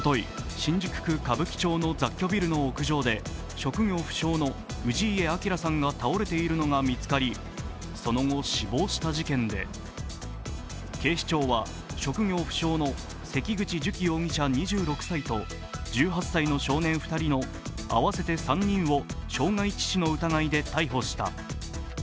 新宿区歌舞伎町の雑居ビルの屋上で、職業不詳の氏家彰さんが倒れているのが見つかりその後、死亡した事件で、警視庁は、職業不詳の関口寿喜容疑者２６歳と１８歳の少年２人の合わせて３人を傷害致死の疑いで逮捕した。